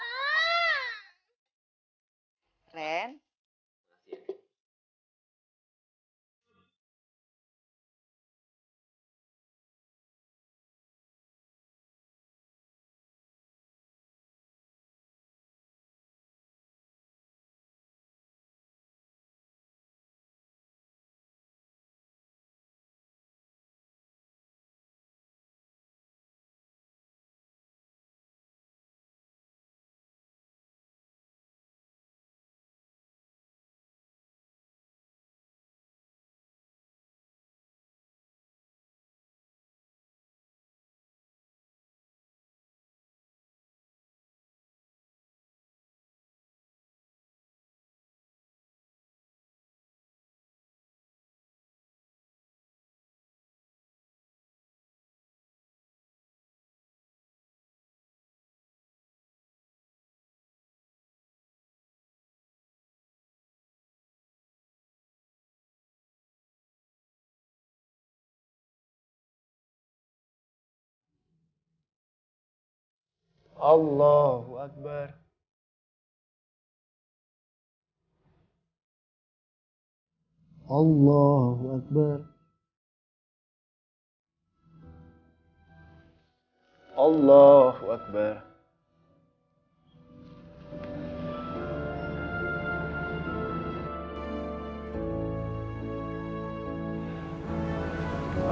assalamualaikum warahmatullahi wabarakatuh